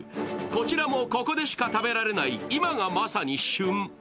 こちらも、ここでしか食べられない今がまさに旬。